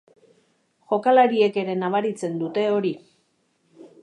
Jokalariak ere nabaritzen dute hori.